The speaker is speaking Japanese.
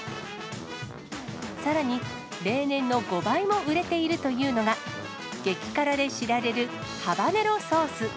さらに例年の５倍も売れているというのが、激辛で知られるハバネロソース。